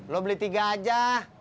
lo beli tiga aja